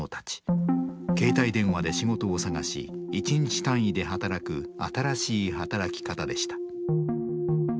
携帯電話で仕事を探し一日単位で働く新しい働き方でした。